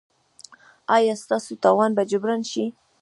ایا ستاسو تاوان به جبران شي؟